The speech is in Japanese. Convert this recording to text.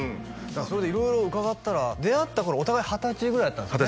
それで色々伺ったら出会った頃お互い二十歳ぐらいだったんですよね